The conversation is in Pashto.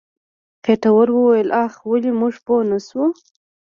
خېټور وويل اخ ولې موږ پوه نه شو.